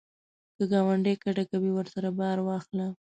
که ګاونډی کډه کوي، ورسره بار واخله